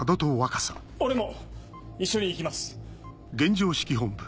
俺も一緒に行きます。